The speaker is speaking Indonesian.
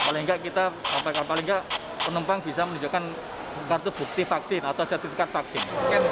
paling tidak kita sampai ke paling tidak penumpang bisa menunjukkan kartu bukti vaksin atau sertifikat vaksin